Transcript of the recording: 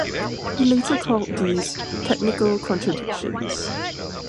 He later called these "technical contradictions".